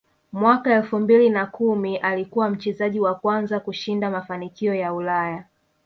Mwaka elfu mbili na kumi alikuwa mchezaji wa kwanza kushinda mafanikio ya Ulaya